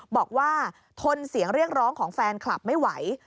บอกว่าทนเสียงเรียกร้องของแฟนคลับไม่ไหว